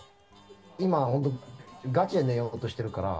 今、本当にガチで寝ようとしてるから。